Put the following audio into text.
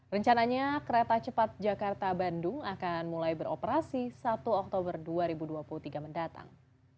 rencananya kereta cepat jakarta bandung akan mulai beroperasi satu oktober dua ribu dua puluh tiga mendatang